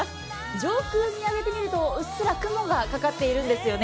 上空、見上げてみるとうっすら雲がかかっているんですよね。